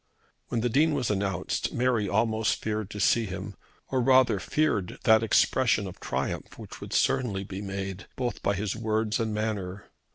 When the Dean was announced Mary almost feared to see him, or rather feared that expression of triumph which would certainly be made both by his words and manner.